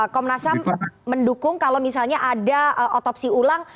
komnasam mendukung kalau misalnya ada otopsi ulang